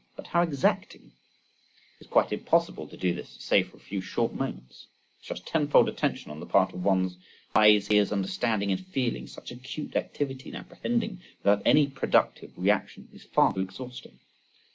But how exacting! It is quite impossible to do this save for a few short moments,—such tenfold attention on the part of one's eyes, ears, understanding, and feeling, such acute activity in apprehending without any productive reaction, is far too exhausting!